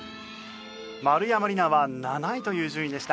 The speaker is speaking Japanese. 丸山莉奈は７位という順位でした。